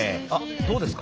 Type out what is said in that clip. どうですか？